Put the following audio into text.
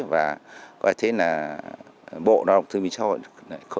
và bộ đạo đồng thương minh xã hội